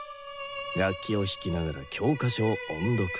楽器を弾きながら教科書を音読する。